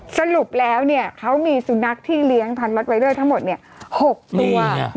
สรุปแล้วเนี่ยเขามีสุนัขที่เลี้ยงพันมัตรวัลเจ้าทั้งหมด๖ตัว